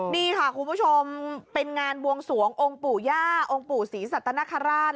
นี่ค่ะคุณผู้ชมเป็นงานบวงสวงองค์ปู่ย่าองค์ปู่ศรีสัตนคราช